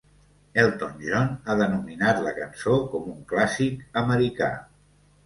Elton John ha denominat la cançó com un clàssic americà.